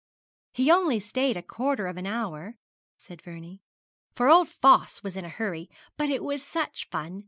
'He only stayed a quarter of an hour,' said Vernie, 'for old Fos was in a hurry; but it was such fun!